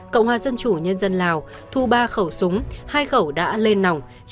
cộng hòa dân chủ nhân dân lào thu ba khẩu súng hai khẩu đã lên nòng